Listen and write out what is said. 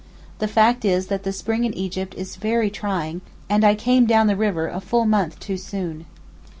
The fact is that the spring in Egypt is very trying, and I came down the river a full month too soon.